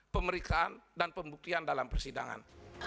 pemeriksaan dan pembuktian dalam persidangan